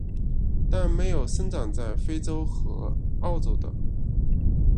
但没有生长在非洲和澳洲的。